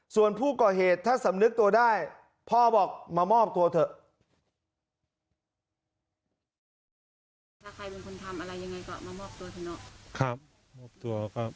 ส่วนผู้ก่อเหตุถ้าสำนึกตัวได้พ่อบอกมามอบตัวเถอะ